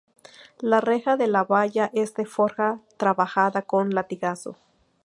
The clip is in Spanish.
La reja de la valla es de forja trabajada con latigazo.